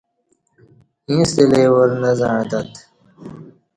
ییݩستہ لئی وار نہ زعݩتت